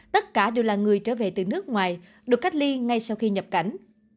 tất cả đều là người trở về từ nước ngoài được cách ly ngay sau khi nhập cảnh